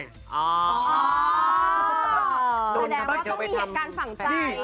ก็แสดงมีเหตุการณ์ฝั่งใจ